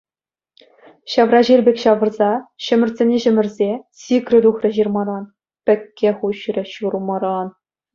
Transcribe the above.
Ҫавраҫил пек ҫавӑрса, ҫӗмӗртсене ҫӗмӗрсе, сикрӗ тухрӗ ҫырмаран, пӗкке хуҫрӗ ҫурмаран.